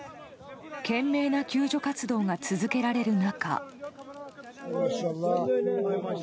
懸命な救助活動が続けられる中。